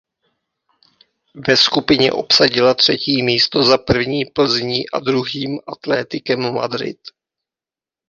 Ve skupině obsadila třetí místo za první Plzní a druhým Atléticem Madrid.